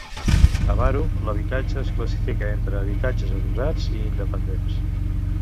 A Barugh l'habitatge es classifica entre habitatges adossats i independents.